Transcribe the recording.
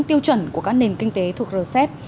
tiêu chuẩn của các nền kinh tế thuộc rcep